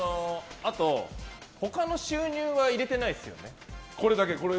あと、他の収入は入れてないですよね？